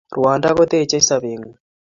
Ruondo kotechei sobet ngung